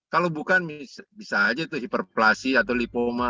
kalau bukan bisa aja itu hiperplasi atau lipoma